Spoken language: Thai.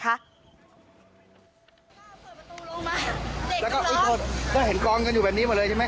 เปิดประตูลงมาแล้วก็เห็นกองกันอยู่แบบนี้หมดเลยใช่ไหม